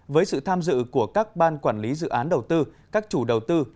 với sự tham dự của các ban quản lý dự án đầu tư các chủ đầu tư